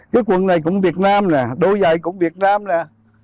cái quần này cũng việt nam nè đôi giày cũng việt nam nè